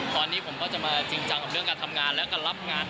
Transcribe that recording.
ตอนนี้ผมก็จะมาจริงจังกับเรื่องการทำงานแล้วก็รับงาน